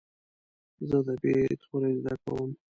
زه د "ب" توری زده کوم.